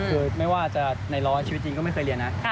คือไม่ว่าจะในร้อยชีวิตจริงก็ไม่เคยเรียนนะ